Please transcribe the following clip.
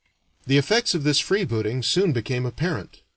The effects of this freebooting soon became apparent.